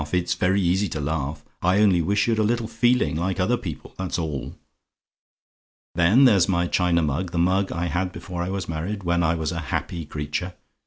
It's very easy to laugh! I only wish you'd a little feeling, like other people, that's all. "Then there's my china mug the mug I had before I was married when I was a happy creature.